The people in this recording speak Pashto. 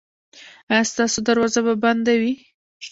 ایا ستاسو دروازه به بنده وي؟